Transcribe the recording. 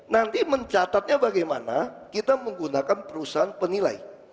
nanti mencatatnya bagaimana kita menggunakan perusahaan penilai